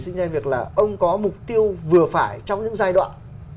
sinh ra việc là ông có mục tiêu vừa phải trong những giai đoạn